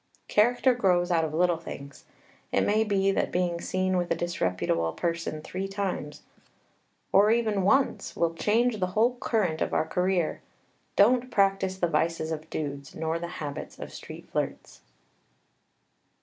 Character grows out of little things. It may be that being seen with a disreputable person three times, or even once, will change the whole current of our career. Don't practise the vices of dudes nor the habits of street flirts.